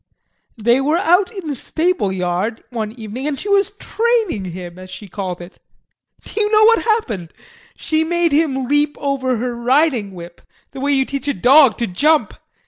They were out in the stable yard one evening and she was "training" him as she called it. Do you know what happened? She made him leap over her riding whip, the way you teach a dog to jump.